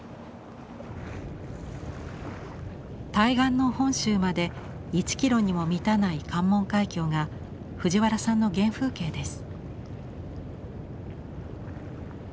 対岸の本州まで１キロにも満たない関門海峡が藤原さんの原風景です。